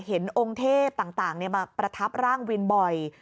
เห็นองค์เทพต่างมาประทับร่างวินบ่อย